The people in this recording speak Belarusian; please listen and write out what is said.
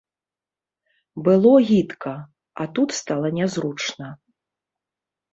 Было гідка, а тут стала нязручна.